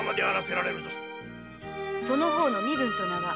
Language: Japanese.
その方の身分と名は？